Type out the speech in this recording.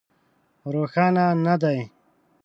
روښانه نه دي.